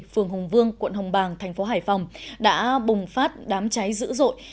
phường hùng vương quận hồng bàng thành phố hải phòng đã bùng phát đám cháy dữ dội